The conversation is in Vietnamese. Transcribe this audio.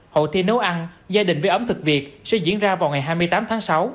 hội thi nấu ăn gia đình với ẩm thực việt sẽ diễn ra vào ngày hai mươi tám tháng sáu